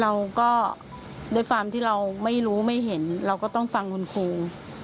เราก็ด้วยความที่เราไม่รู้ไม่เห็นเราก็ต้องฟังคุณครู